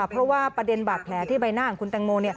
เพราะว่าประเด็นบาดแผลที่ใบหน้าของคุณแตงโม